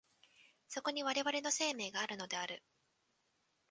そこに我々の生命があるのである。